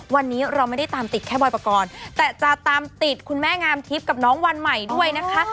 วันนี้เราไม่ได้ตามติดแค่บอยปกรณ์แต่จะตามติดคุณแม่งามทิพย์กับน้องวันใหม่ด้วยนะคะ